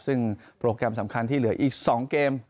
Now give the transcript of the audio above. ซึ่งโปรแกรมสำคัญที่เหลืออีก๒เกม